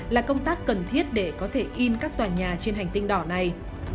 là công tác cần thiết để có thể in các tòa nhà trên hành tinh đỏ này